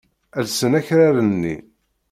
Llsen akraren-nni.